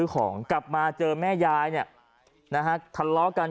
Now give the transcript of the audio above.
กลับมาพร้อมขอบความ